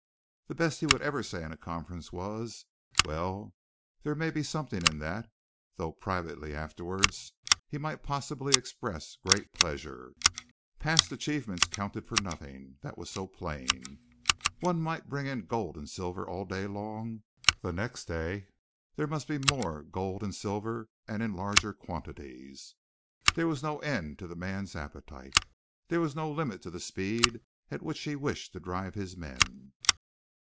The best he would ever say in conference was, "Well, there may be something in that," though privately, afterwards, he might possibly express great pleasure. Past achievements counted for nothing; that was so plain. One might bring in gold and silver all day long; the next day there must be more gold and silver and in larger quantities. There was no end to the man's appetite. There was no limit to the speed at which he wished to drive his men.